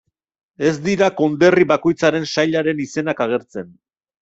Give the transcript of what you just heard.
Ez dira konderri bakoitzaren sailaren izenak agertzen.